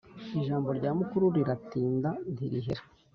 Ijambo rya mukuru riratinda ntirihera.